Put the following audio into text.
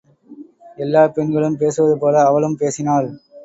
எல்லாப் பெண்களும் பேசுவதுபோல அவளும் பேசினாள்.